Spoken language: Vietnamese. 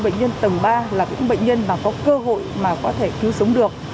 bệnh nhân tầng ba là những bệnh nhân mà có cơ hội mà có thể cứu sống được